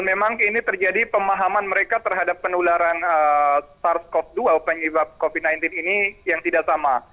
memang ini terjadi pemahaman mereka terhadap penularan sars cov dua penyebab covid sembilan belas ini yang tidak sama